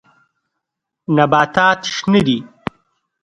نباتات شنه دي.